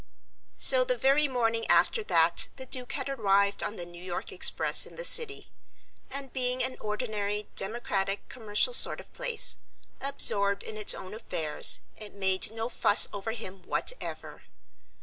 So the very morning after that the Duke had arrived on the New York express in the City; and being an ordinary, democratic, commercial sort of place, absorbed in its own affairs, it made no fuss over him whatever.